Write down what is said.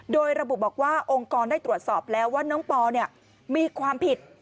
โดยระบุบอกว่าองค์กรได้ตรวจสอบแล้วว่าน้องปอมีความผิด